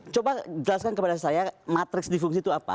coba jelaskan kepada saya matriks difungsi itu apa